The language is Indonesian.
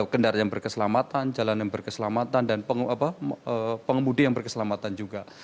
kendaraan yang berkeselamatan jalan yang berkeselamatan dan pengemudi yang berkeselamatan juga